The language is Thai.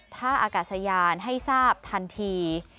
ท่าอากาศยานให้ทราบทันที